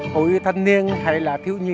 hồi thân niên hay là thiếu nhi